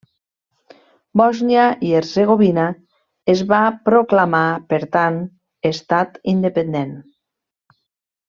Bòsnia i Hercegovina es va proclamar, per tant, estat independent.